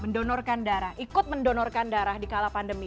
mendonorkan darah ikut mendonorkan darah di kala pandemi